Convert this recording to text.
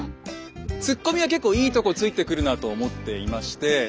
突っ込みは結構いいとこ突いてくるなと思っていまして。